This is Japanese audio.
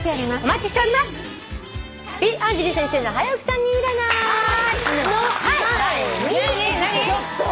ちょっと！